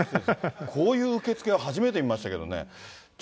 こういう受付は初めて見ましたけどね。